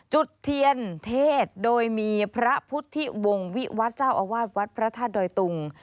จุดเทียนเทศโดยมีพระพุทธิวงวิวัตต์เจ้าอาวาสวัสดิ์พระท่าดอยวาวตรุง